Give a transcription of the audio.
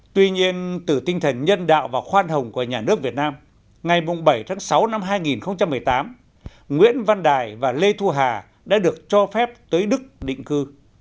tuy nhiên từ tinh thần nhân đạo và khoan hồng của nhà nước việt nam ngày bảy tháng sáu năm hai nghìn một mươi tám nguyễn văn đài và lê thu hà đã được cho phép tới đức định cư